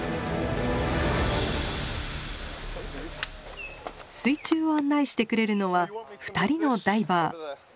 水中を案内してくれるのは２人のダイバー。